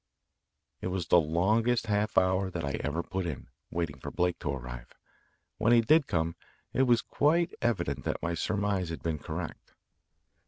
It was the longest half hour that I ever put in, waiting for Blake to arrive. When he did come, it was quite evident that my surmise had been correct.